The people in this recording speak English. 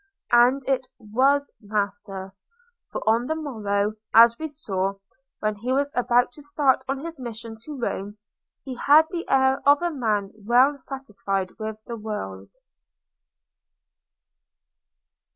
And it was master. For on the morrow, as we saw, when he was about to start on his mission to Rome, he had the air of a man well satisfied with the world.